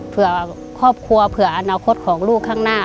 เผื่อครอบครัวเผื่ออนาคตของลูกข้างหน้า